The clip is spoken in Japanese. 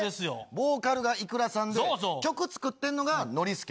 ボーカルがイクラさんで、曲作ってんのがノリスケ。